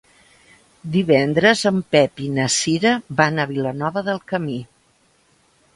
Divendres en Pep i na Cira van a Vilanova del Camí.